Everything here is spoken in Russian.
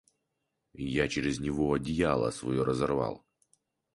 Я через него одеяло свое разорвал.